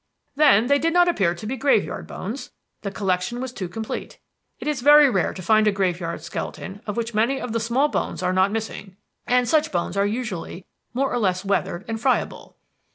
"Then they did not appear to be graveyard bones. The collection was too complete. It is very rare to find a graveyard skeleton of which many of the small bones are not missing. And such bones are usually more or less weathered and friable.